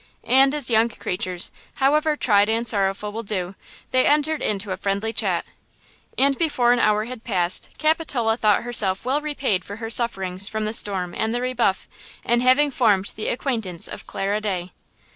And, as young creatures, however tried and sorrowful, will do, they entered into a friendly chat. And before an hour had passed Capitola thought herself well repaid for her sufferings from the storm and the rebuff, in having formed the acquaintance of Clara Day.